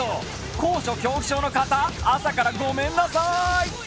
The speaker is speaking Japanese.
高所恐怖症の方、朝からごめんなさい。